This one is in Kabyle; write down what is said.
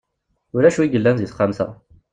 Ulac win yellan deg texxamt-a.